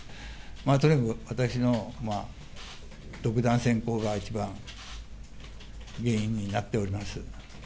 とにかく私の独断専行が一番原因になっております。